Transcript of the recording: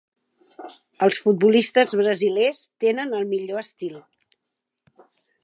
Els futbolistes brasilers tenen el millor estil.